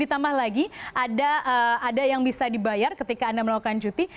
ditambah lagi ada yang bisa dibayar ketika anda melakukan cuti